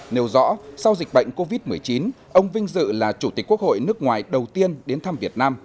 nêu rõ sau dịch bệnh covid một mươi chín ông vinh dự là chủ tịch quốc hội nước ngoài đầu tiên đến thăm việt nam